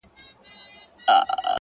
نه بابا خبر نه يم- ستا په خيالورې لور-